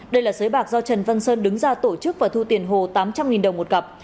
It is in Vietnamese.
đây là xới bạc do trần văn sơn đứng ra tổ chức và thu tiền hồ tám trăm linh đồng một cặp